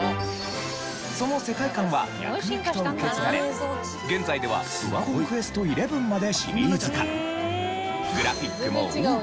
その世界観は脈々と受け継がれ現在では『ドラゴンクエストⅪ』までシリーズ化。